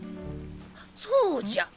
そうじゃ！